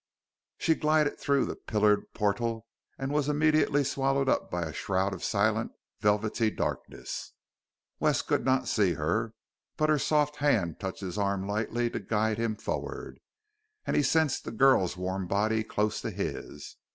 She glided through the pillared portal and was immediately swallowed up by a shroud of silent, velvety darkness. Wes could not see her, but her soft hand touched his arm lightly to guide him forward, and he sensed the girl's warm body close to his.